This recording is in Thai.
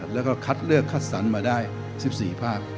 แล้วก็คัดเลือกคัดสรรมาได้๑๔ภาค